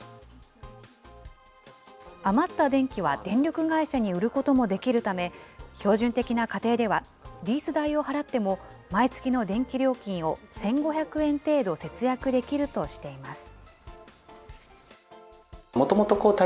余った電気は電力会社に売ることもできるため、標準的な家庭では、リース代を払っても、毎月の電気料金を１５００円程度節約できるとしています。